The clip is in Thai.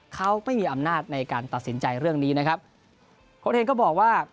เขาไม่มีอำนาจในการตัดสินใจเรื่องนี้นะครับโค้ดเฮงก็บอกว่า